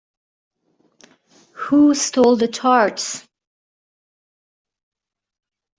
Who Stole the Tarts?